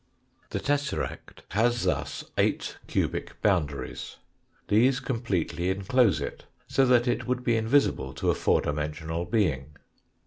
The tesseract has thus eight cubic boundaries. These completely enclose it, so that it would be invisible to a four dimensional being.